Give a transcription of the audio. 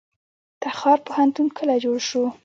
تخار پوهنتون کله جوړ شو؟